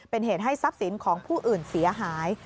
เป็นเหตุให้ทรัพย์สินของผู้อื่นเสียหาย